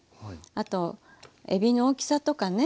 あとえびの大きさとかね